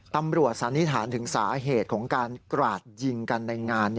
ตำรวจสานิทานถึงสาเหตุของการกระดายิงกันในงาน